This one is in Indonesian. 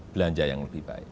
belanja yang lebih baik